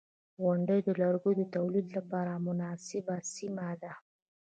• غونډۍ د لرګیو د تولید لپاره مناسبه سیمه ده.